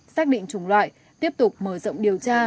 xác định chủng loại tiếp tục mở rộng điều tra